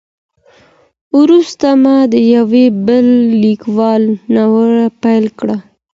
وروسته ما د يوه بل ليکوال ناول پيدا کړ.